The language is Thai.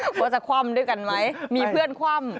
ว่าจะคว่ำด้วยกันไหมมีเพื่อนคว่ำ